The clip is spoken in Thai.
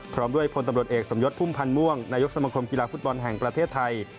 พร้อมด้วยพลตำรวจเอกสมยศพุ่มพันธ์ม่วงนายกสมคมกีฬาฟุตบอลแห่งประเทศไทย